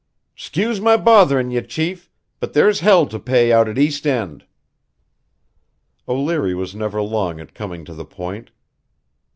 "'Scuse my botherin' ye, chief, but there's hell to pay out at East End." O'Leary was never long at coming to the point.